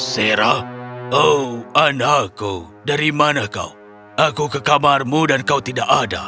sarah oh anakku dari mana kau aku ke kamarmu dan kau tidak ada